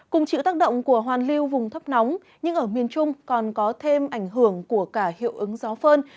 cùng chịu tác động của hoàn lưu vùng thấp nóng nhưng ở miền trung còn có thêm ảnh hưởng của cả hiệu ứng gió phơn